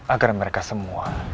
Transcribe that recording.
agar mereka semua